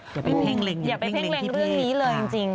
อย่าไปเพ้งเร็งเรื่องนี้เลยจริง